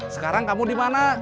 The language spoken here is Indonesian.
sekarang kamu di mana